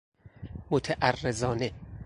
متعرضانه